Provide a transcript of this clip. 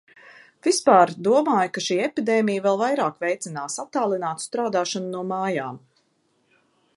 Vispār, domāju, ka šī epidēmija vēl vairāk veicinās attālinātu strādāšanu no mājām.